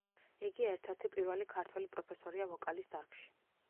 იგი ერთ-ერთი პირველი ქართველი პროფესორია ვოკალის დარგში.